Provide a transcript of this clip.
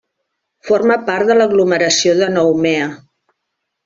Forma part de l'aglomeració de Nouméa.